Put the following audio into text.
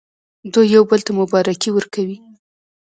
دوی یو بل ته مبارکي ورکوي.